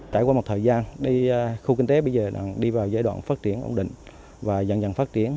trải qua một thời gian đi khu kinh tế bây giờ đi vào giai đoạn phát triển ổn định và dần dần phát triển